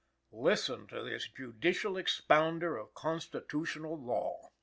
Listen to this judicial expounder of constitutional law!